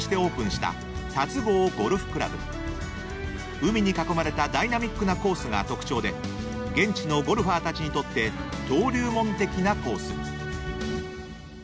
［海に囲まれたダイナミックなコースが特徴で現地のゴルファーたちにとって登竜門的なコース］